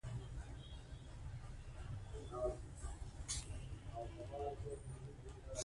دا کامل کتاب دی، په دي کي هيڅ شک او شبهه نشته